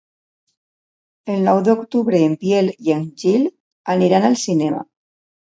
El nou d'octubre en Biel i en Gil aniran al cinema.